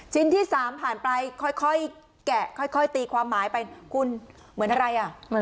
ที่๓ผ่านไปค่อยแกะค่อยตีความหมายไปคุณเหมือนอะไรอ่ะ